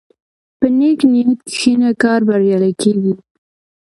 په نیک نیت کښېنه، کار بریالی کېږي.